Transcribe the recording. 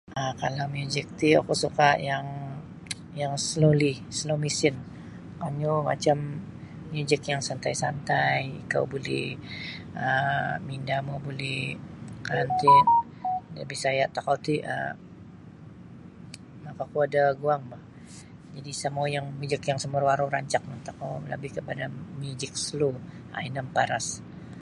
um kalau muzik ti oku suka yang um slowly slow misin kanyu macam mujik yang santai-santai ikau buli um mindamu buli [unintelligible] bisaya tokou ti um maka kuo da guang ba jadi isa mau muzik yang sa maru-aru rancak mitoku lebih kepada mujik slow um ino maparas